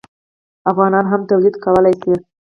افغانان هم تولید کولی شي.